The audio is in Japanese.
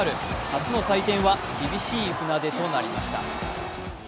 初の祭典は厳しい船出となりました。